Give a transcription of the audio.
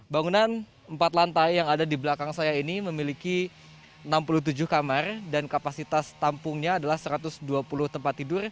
bangunan empat lantai yang ada di belakang saya ini memiliki enam puluh tujuh kamar dan kapasitas tampungnya adalah satu ratus dua puluh tempat tidur